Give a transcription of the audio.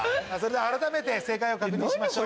改めて正解を確認しましょう。